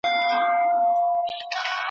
ته ملامت نه یې ګیله من له چا زه هم نه یم ,